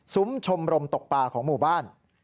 ซุ้มชมรมตกป่าของหมู่บ้าน